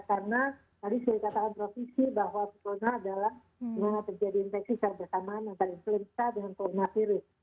karena tadi saya katakan provisi bahwa corona adalah mengapa terjadi infeksi secara bersamaan antara influenza dan corona virus